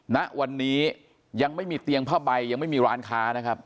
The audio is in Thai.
ณวันนี้ยังไม่มีเตียงผ้าใบยังไม่มีร้านค้านะครับ